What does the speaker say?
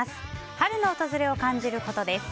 春の訪れを感じるコトです。